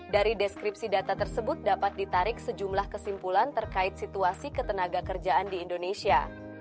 dari deskripsi data tersebut dapat ditarik sejumlah kesimpulan terkait situasi ketenaga kerjaan di indonesia